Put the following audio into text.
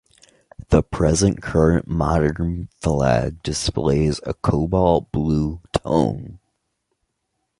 The present current modern flag displays a Cobalt Blue tone.